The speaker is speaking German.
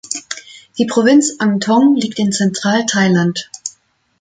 Die Provinz Ang Thong liegt in Zentralthailand.